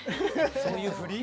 そういう振り？